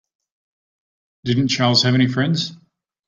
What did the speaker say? Didn't Charles have any friends?